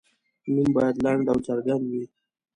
نوم باید لنډ او څرګند وي.